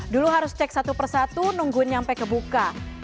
dulu harus cek satu persatu nungguin sampai kebuka